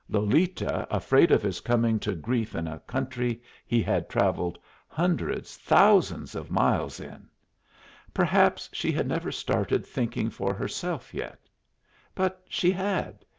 Lolita afraid of his coming to grief in a country he had travelled hundreds, thousands of miles in! Perhaps she had never started thinking for herself yet. But she had.